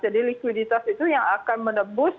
jadi likuiditas itu yang akan menebus